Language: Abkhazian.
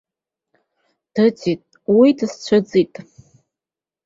Дыӡит, уи дысцәыӡит!